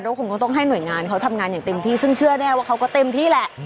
ก็คงก็ต้องให้หน่วยงานเขาทำงานอย่างเต็มที่ซึ่งเชื่อแน่ว่าเขาก็เต็มที่แหละ